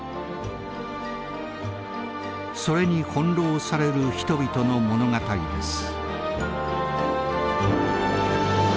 それに翻弄される人々の物語です。